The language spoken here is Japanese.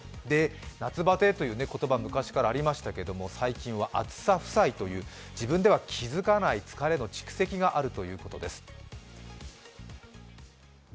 夏バテという言葉は昔からありましたけれども、最近は暑さ負債という自分では気づかない疲れの蓄積があるということです。